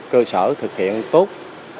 cơ sở thực hiện tốt